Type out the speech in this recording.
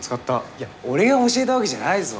いや俺が教えたわけじゃないぞ。